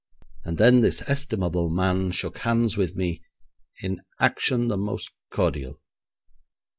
And then this estimable man shook hands with me in action the most cordial.